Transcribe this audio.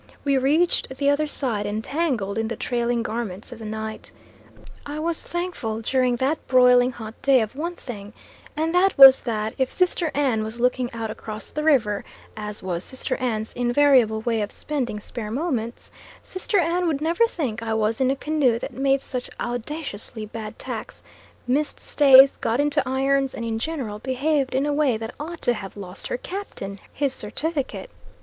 We reached the other side entangled in the trailing garments of the night. I was thankful during that broiling hot day of one thing, and that was that if Sister Ann was looking out across the river, as was Sister Ann's invariable way of spending spare moments, Sister Ann would never think I was in a canoe that made such audaciously bad tacks, missed stays, got into irons, and in general behaved in a way that ought to have lost her captain his certificate.